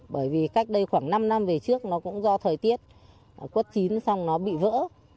bởi vì cách đây khoảng năm năm về trước nó cũng do thời tiết quất chín xong nó bị vỡ